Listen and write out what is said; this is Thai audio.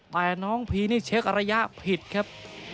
แต่น้องพีนี่เช็คระยะผิดครับ